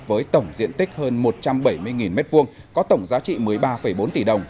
với tổng diện tích hơn một trăm bảy mươi m hai có tổng giá trị một mươi ba bốn tỷ đồng